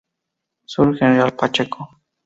Sur: General Pacheco.